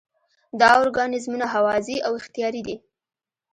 دا ارګانیزمونه هوازی او اختیاري دي.